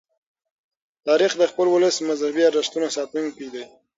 تاریخ د خپل ولس د مذهبي ارزښتونو ساتونکی دی.